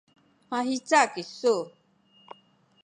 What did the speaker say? mahica kisu?